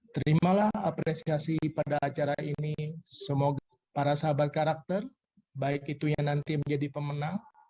terimalah apresiasi pada acara ini semoga para sahabat karakter baik itu yang nanti menjadi pemenang